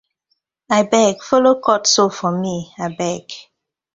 Abeg follo cut soap for mi abeg.